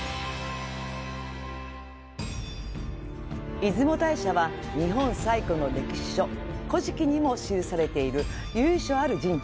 出雲大社は、日本最古の歴史書・古事記にも記されている由緒ある神社。